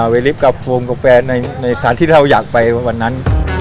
ลิฟต์กับโฟมกาแฟในสารที่เราอยากไปวันนั้น